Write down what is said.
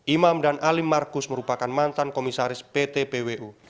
imam dan alim markus merupakan mantan komisaris pt pwu